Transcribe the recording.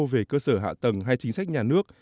về cơ sở hạ tầng hay chính sách nhà nước